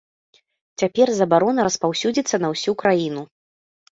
Цяпер забарона распаўсюдзіцца на ўсю краіну.